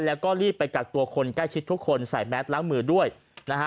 แล้วก็รีบไปกักตัวคนใกล้ชิดทุกคนใส่แมสล้างมือด้วยนะฮะ